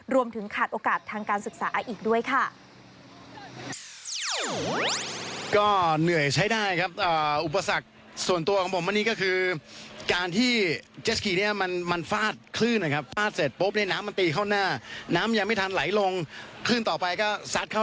รวมถึงขาดโอกาสทางการศึกษาอีกด้วยค่ะ